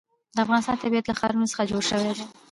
د افغانستان طبیعت له ښارونه څخه جوړ شوی دی.